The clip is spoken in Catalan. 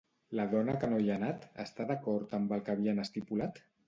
La dona que no hi ha anat està d'acord amb el que havien estipulat?